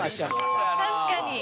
確かに。